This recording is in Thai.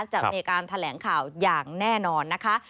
จะมีการแถลงข่าวอย่างแน่นอนนะคะ